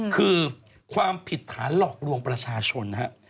คือความผิดฐานหลอกลวงประชาชนนะครับ